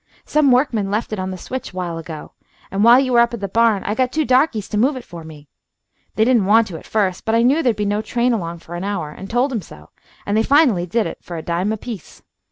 Some workman left it on the switch while ago, and while you were up at the barn I got two darkeys to move it for me. They didn't want to at first, but I knew that there'd be no train along for an hour, and told 'em so, and they finally did it for a dime apiece.